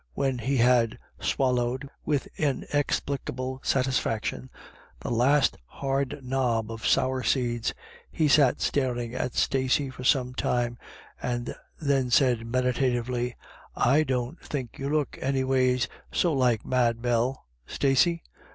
1 22* IRISH IDYLLS. When he had swallowed, with inexplicable satisfaction, the last hard knob of sour seeds, he sat staring at Stacey for some time, and then said meditatively: "I don't think you look any ways so like Mad Bell, Stacey."